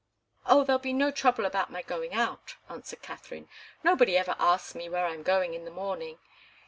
"Oh, there'll be no trouble about my going out," answered Katharine. "Nobody ever asks me where I'm going in the morning.